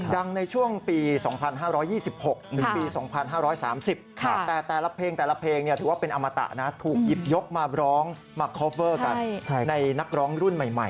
ในช่วงปี๒๕๒๖หรือปี๒๕๓๐แต่แต่ละเพลงแต่ละเพลงถือว่าเป็นอมตะนะถูกหยิบยกมาร้องมาคอฟเวอร์กันในนักร้องรุ่นใหม่